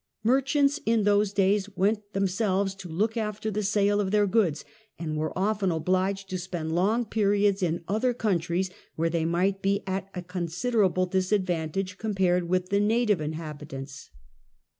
Merchants in those days went themselves to look after the sale of their goods, and were often obliged to spend long periods in other countries, where they might be at a considerable disadvantage compared with the native inhabitants.